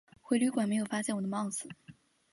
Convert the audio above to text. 回旅馆没有发现我的帽子